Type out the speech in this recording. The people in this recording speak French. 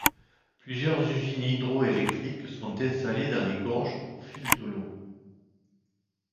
Plusieurs usines hydroélectriques sont installées dans les gorges au fil de l’eau.